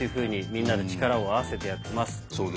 みんなで力を合わせてやってます。